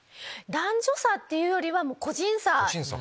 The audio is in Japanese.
男女差っていうよりは。